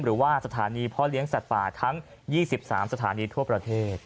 หรือว่าสถานีพ่อเลี้ยงสัตว์ป่าทั้ง๒๓สถานีทั่วประเทศ